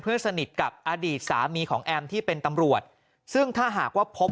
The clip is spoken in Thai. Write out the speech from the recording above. สนิทกับอดีตสามีของแอมที่เป็นตำรวจซึ่งถ้าหากว่าพบ